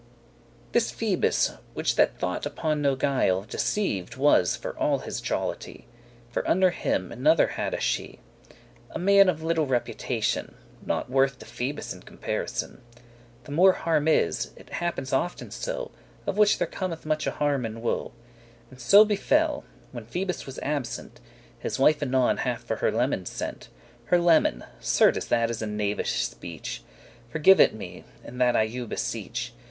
*accords with This Phoebus, which that thought upon no guile, Deceived was for all his jollity; For under him another hadde she, A man of little reputation, Nought worth to Phoebus in comparison. The more harm is; it happens often so, Of which there cometh muche harm and woe. And so befell, when Phoebus was absent, His wife anon hath for her leman* sent. *unlawful lover Her leman! certes that is a knavish speech. Forgive it me, and that I you beseech.